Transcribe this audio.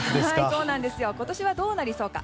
今年はどうなりそうか。